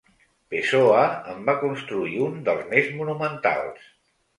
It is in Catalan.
Pessoa en va construir un dels més monumentals.